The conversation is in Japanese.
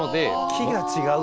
木が違うと。